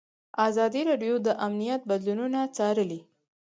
ازادي راډیو د امنیت بدلونونه څارلي.